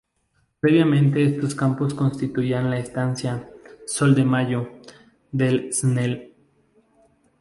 Previamente estos campos constituían la Estancia "Sol de Mayo", del Cnel.